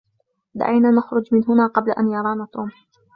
دعينا نخرج من هنا قبل أن يرانا توم.